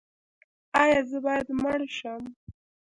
ایا زه باید مړ شم؟